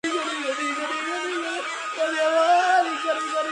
ცნობილია რბილი ხორბლის მრავალი საგაზაფხულო და საშემოდგომო ჯიში.